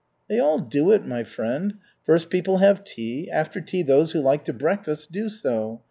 "They all do it, my friend. First people have tea, after tea those who like to breakfast do so.